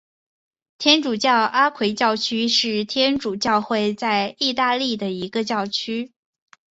天主教阿奎教区是天主教会在义大利的一个教区。